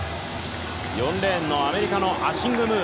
４レーンのアメリカのアシング・ムー。